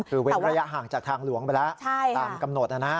คือเว้นระยะห่างจากทางหลวงไปแล้วตามกำหนดนะนะ